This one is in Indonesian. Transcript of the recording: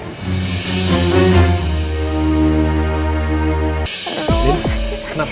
lien kenapa kenapa